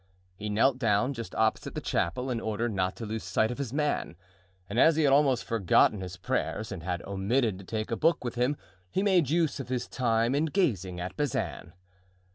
He knelt down just opposite the chapel in order not to lose sight of his man; and as he had almost forgotten his prayers and had omitted to take a book with him, he made use of his time in gazing at Bazin.